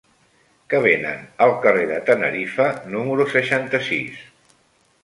Què venen al carrer de Tenerife número seixanta-sis?